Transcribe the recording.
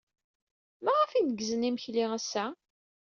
Maɣef ay neggzen imekli ass-a?